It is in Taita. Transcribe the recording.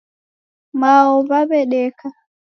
Mao w'aw'edeka